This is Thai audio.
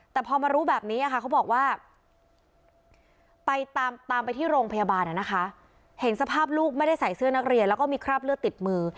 แต่พอมารู้แบบนี้เขาบอกว่าไปตามไปที่โรงพยาบาลนะคะเห็นสภาพลูกไม่ได้ใส่เสื้อนักเรียนแล้วก็มีคราบเลือดติดมือ